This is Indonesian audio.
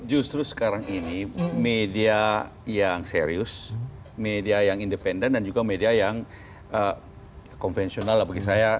justru sekarang ini media yang serius media yang independen dan juga media yang konvensional bagi saya